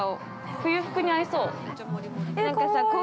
◆冬服に合いそう。